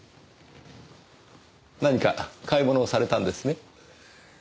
何か買い物をされたんですね？